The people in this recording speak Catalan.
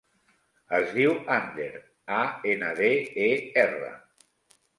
Es diu Ander: a, ena, de, e, erra.